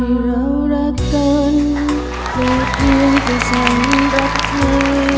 ที่เรารักกันแต่เพียงแต่สำหรับเธอ